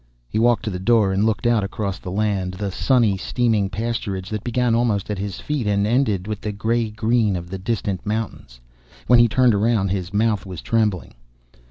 He walked to the door and looked out across the land, the sunny, steaming pasturage that began almost at his feet and ended with the gray green of the distant mountains. When he turned around his mouth was trembling.